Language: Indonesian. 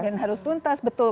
dan harus tuntas betul